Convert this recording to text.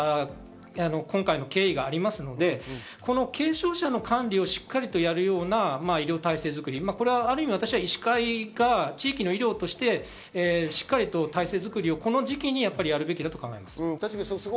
今回の経緯がありますので、軽症者の管理をしっかりとやるような医療体制づくり、医師会が地域の医療としてしっかりと体制づくりをこの時期にやるべきだと考えます。